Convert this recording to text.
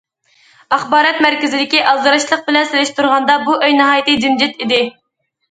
ئاخبارات مەركىزىدىكى ئالدىراشلىق بىلەن سېلىشتۇرغاندا، بۇ ئۆي ناھايىتى جىمجىت ئىدى.